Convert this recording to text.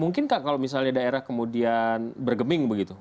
mungkin kak kalau misalnya daerah kemudian bergeming begitu